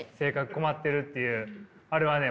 困ってるっていうあれはね